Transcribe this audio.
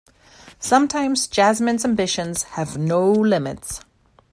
Sometimes Yasmin's ambitions have no limits.